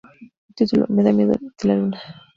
Su título: "Me da miedo de la luna".